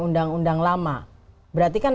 undang undang lama berarti kan